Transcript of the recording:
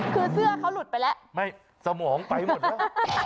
คือเสื้อเขาหลุดไปแล้วไม่สมองไปหมดแล้ว